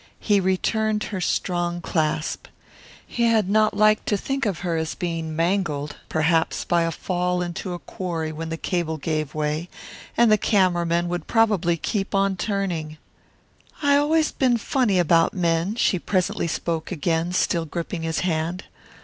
He returned her strong clasp. He had not liked to think of her being mangled perhaps by a fall into a quarry when the cable gave way and the camera men would probably keep on turning! "I always been funny about men," she presently spoke again, still gripping his hand.